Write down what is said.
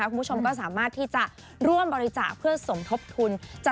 คุณผู้ชมก็สามารถที่จะร่วมบริจาคเพื่อสมทบทุน